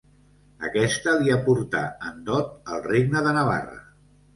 Aquesta li aportà en dot el Regne de Navarra.